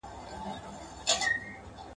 بخت مي لکه ستوری د یوسف دی ځلېدلی ..